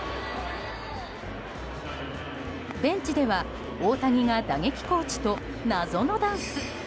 ベンチでは大谷が打撃コーチと謎のダンス。